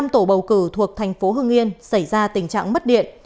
một mươi năm tổ bầu cử thuộc thành phố hương yên xảy ra tình trạng mất điện